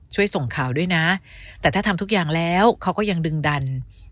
ช่วยส่งข่าวด้วยนะแต่ถ้าทำทุกอย่างแล้วเขาก็ยังดึงดัน